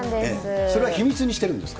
それは秘密にしてるんですか。